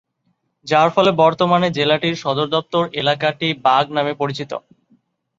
যার ফলে, বর্তমানে জেলাটির সদরদপ্তর এলাকাটি "বাগ" নামে পরিচিত।